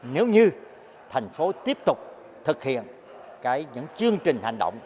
nếu như thành phố tiếp tục thực hiện những chương trình hành động